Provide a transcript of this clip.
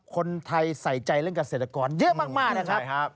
คนไทยใส่ใจเรื่องเกษตรกรเยอะมากนะครับ